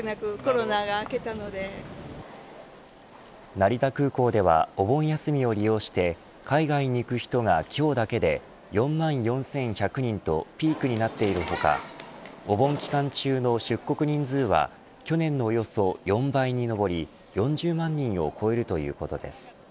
成田空港ではお盆休みを利用して海外に行く人が今日だけで４万４１００人とピークになっている他お盆期間中の出国人数は去年のおよそ４倍に上り４０万人を超えるということです。